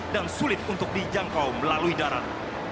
dan sulit untuk dijangkau melalui darat